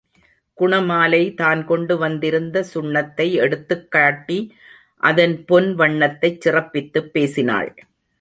குணமாலை தான் கொண்டுவந்திருந்த சுண்ணத்தை எடுத்துக் காட்டி அதன் பொன் வண்ணத்தைச் சிறப்பித்துப் பேசினாள்.